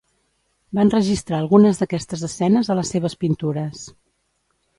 Va enregistrar algunes d'aquestes escenes a les seves pintures.